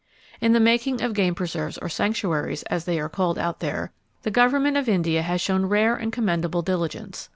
In the making of game preserves, or "sanctuaries" as they are called out there, the Government of India has shown rare and commendable diligence.